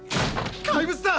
怪物だ！